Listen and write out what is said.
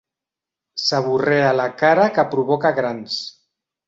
Seborrea a la cara que provoca grans.